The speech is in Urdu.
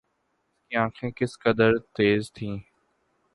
اس کی آنکھیں کس قدر تیز تھیں